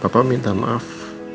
bapak minta maaf